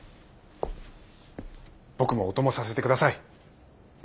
僕もお供させて下さい。